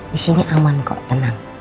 disini aman kok tenang